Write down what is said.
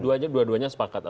dua duanya sepakat atau tidak